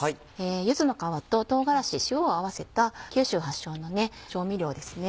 柚子の皮と唐辛子塩を合わせた九州発祥の調味料ですね。